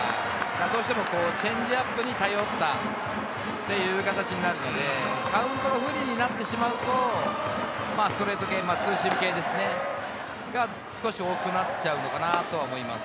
だからどうしてもチェンジアップに頼ったという形になるので、カウントが不利になってしまうとストレート系、ツーシーム系が少し多くなっちゃうのかなと思います。